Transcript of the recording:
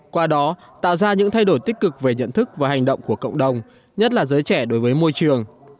qua đó tạo ra những thay đổi tích cực về nhận thức và hành động của cộng đồng nhất là giới trẻ đối với môi trường